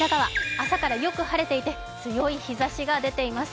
朝からよく晴れていて、強い日ざしが出ています。